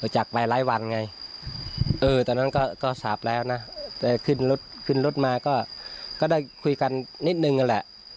จากไปหลายวันไงตอนนั้นก็สาปแล้วนะขึ้นรถมาก็ได้คุยกันนิดนึงแหละ